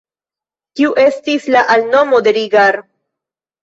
Kiu estis la alnomo de Rigar?